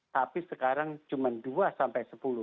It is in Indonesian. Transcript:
tapi sekarang cuma dua sampai sepuluh